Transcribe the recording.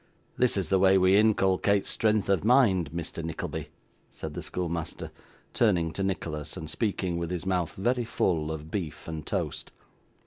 This is the way we inculcate strength of mind, Mr. Nickleby,' said the schoolmaster, turning to Nicholas, and speaking with his mouth very full of beef and toast.